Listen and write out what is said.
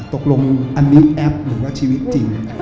ตกลงอันนี้แอปหรือว่าชีวิตจริง